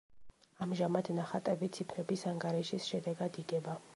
ამჟამად ნახატები ციფრების ანგარიშის შედეგად იგება.